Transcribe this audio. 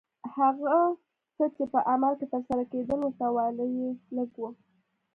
هغه څه چې په عمل کې ترسره کېدل ورته والی یې لږ و.